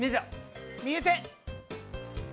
見えて！